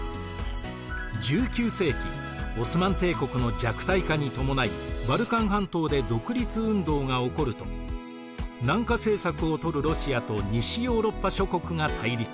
１９世紀オスマン帝国の弱体化に伴いバルカン半島で独立運動が起こると南下政策をとるロシアと西ヨーロッパ諸国が対立。